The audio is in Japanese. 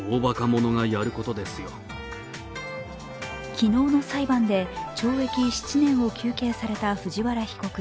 昨日の裁判で懲役７年を求刑された藤原被告。